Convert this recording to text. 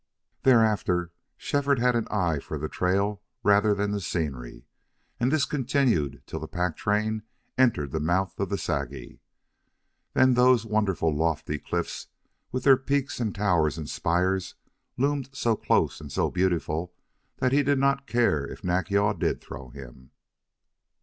Thereafter Shefford had an eye for the trail rather than the scenery, and this continued till the pack train entered the mouth of the Sagi. Then those wonderful lofty cliffs, with their peaks and towers and spires, loomed so close and so beautiful that he did not care if Nack yal did throw him.